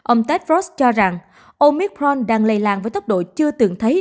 ông tedrost cho rằng omicron đang lây lan với tốc độ chưa từng thấy